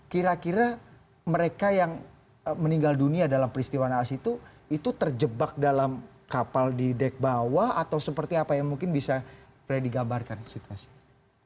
kira kira mereka yang meninggal dunia dalam peristiwa naas itu itu terjebak dalam kapal di dek bawah atau seperti apa yang mungkin bisa freddy gambarkan situasinya